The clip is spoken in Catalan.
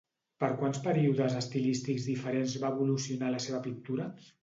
Per quants períodes estilístics diferents va evolucionar la seva pintura?